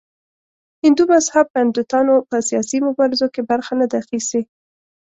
هندو مذهب پنډتانو په سیاسي مبارزو کې برخه نه ده اخیستې.